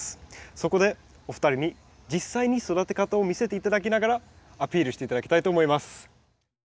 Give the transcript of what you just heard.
そこでお二人に実際に育て方を見せて頂きながらアピールして頂きたいと思います。